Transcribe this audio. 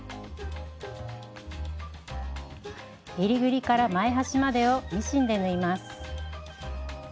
えりぐりから前端までをミシンで縫います。